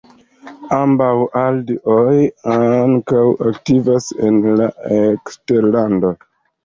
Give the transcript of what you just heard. Ambaŭ Aldi-oj ankaŭ aktivas en la eksterlando.